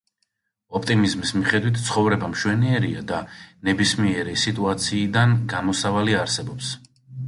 ოპტიმიზმის მიხედვით, ცხოვრება მშვენიერია და ნებისმიერი სიტუაციიდან გამოსავალი არსებობს.